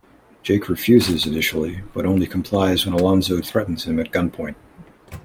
Jake refuses initially, but only complies when Alonzo threatens him at gunpoint.